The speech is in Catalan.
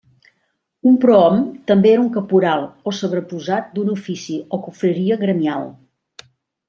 Un prohom també era un caporal o sobreposat d'un ofici o confraria gremial.